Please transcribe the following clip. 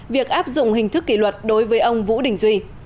việc áp dụng hình thức kỷ luật đối với ông vũ đình duy